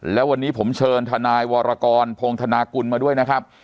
แล้ววันนี้ผมเชิญทนายวรกรพงธนากุลมาด้วยนะครับ